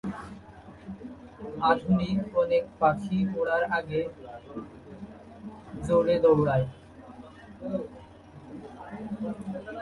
আধুনিক অনেক পাখি ওড়ার আগে জোরে দৌড়ায়।